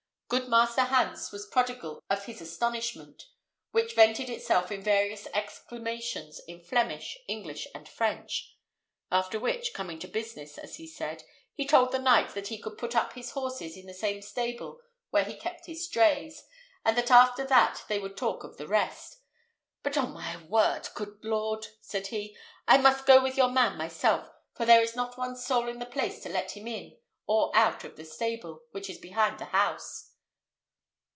Good Master Hans was prodigal of his astonishment, which vented itself in various exclamations in Flemish, English, and French; after which, coming to business, as he said, he told the knight that he could put up his horses in the same stable where he kept his drays, and that after that they would talk of the rest. "But on my wort, my coot lord," said he, "I must go with your man myself, for there is not one soul in the place to let him in or out of the stable, which is behind the house."